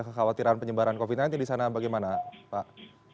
kekhawatiran penyebaran covid sembilan belas di sana bagaimana pak